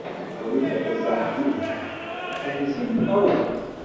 Wrida Tasaḥlit teḥbes imeṭṭawen.